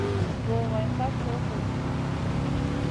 Rugayn ká co vo vumaʼa.